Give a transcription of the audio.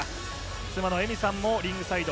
妻の恵美さんもリングサイド。